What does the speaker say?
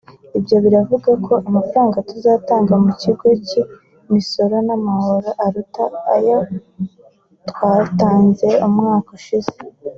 Ibyo biravuga ko amafaranga tuzatanga mu Kigo cy’Imisoro n’Amahoro aruta ayo twatanze umwaka ushize